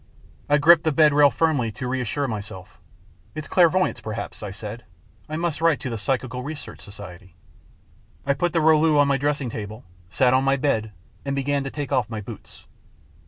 I gripped the bed rail firmly to reassure myself. " It's clairvoyance, perhaps," I said. " I must write to the Psychical Research Society." I put the rouleau on my dressing table, sat on my bed and began to take off my boots.